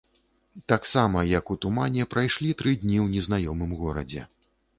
Таксама, як у тумане, прайшлі тры тыдні ў незнаёмым горадзе.